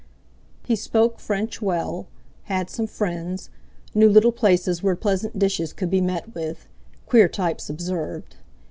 He spoke French well, had some friends, knew little places where pleasant dishes could be met with, queer types observed.